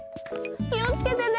きをつけてね。